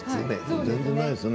全然ないですね。